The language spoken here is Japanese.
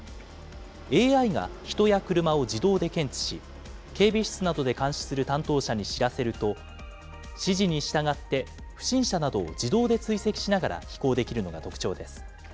ＡＩが人や車を自動で検知し、警備室などで監視する担当者に知らせると、指示に従って不審者などを自動で追跡しながら飛行できるのが特徴です。